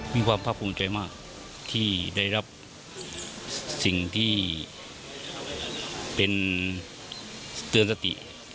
มีความภาคภูมิใจมากที่ได้รับสิ่งที่เป็นเตือนสติ